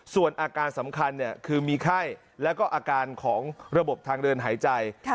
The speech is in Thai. ส่วนอาการสำคัญคือมีไข้แล้วก็อาการของระบบทางเดินหายใจ